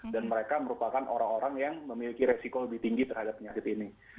dan mereka merupakan orang orang yang memiliki resiko lebih tinggi terhadap penyakit ini